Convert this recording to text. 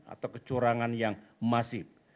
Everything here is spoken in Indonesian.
atau kecurangan yang masif